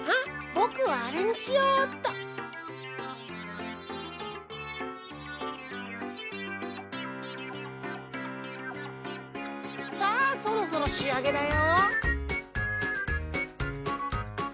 ぼくはあれにしよっとさあそろそろしあげだよ。